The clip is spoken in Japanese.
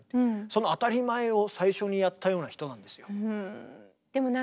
その当たり前を最初にやったような人なんですよ。